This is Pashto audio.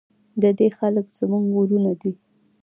د دې خلک زموږ ورونه دي